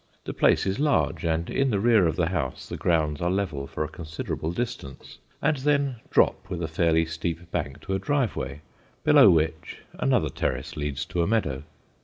The place is large, and in the rear of the house the grounds are level for a considerable distance and then drop with a fairly steep bank to a driveway, below which another terrace leads to a meadow.